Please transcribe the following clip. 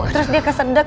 terus dia kesedak